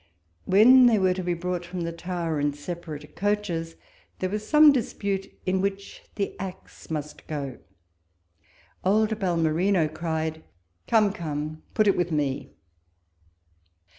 When they were to be brought from the Tower in separate coaches, there was some dispute in which the axe must go— old Balmerino cried, " Come, come, put it witli me."